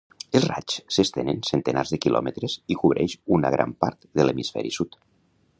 Els raigs s'estenen centenars de quilòmetres i cobreix gran part de l'hemisferi sud.